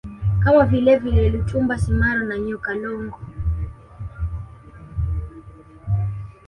kama vilevile Lutumba Simaro na Nyoka Longo